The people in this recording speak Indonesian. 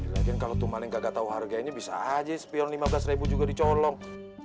lagi kalau tumang nggak tahu harganya bisa aja spion lima belas juga dicolong